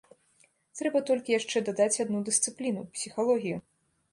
Трэба толькі яшчэ дадаць адну дысцыпліну, псіхалогію.